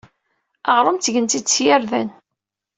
Aɣrum ttgen-t-id s yirden.